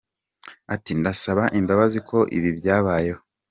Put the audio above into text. Ati “Ndasaba imbabazi ko ibi byabayeho.